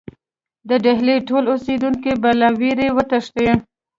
د ډهلي ټول اوسېدونکي به له وېرې وتښتي.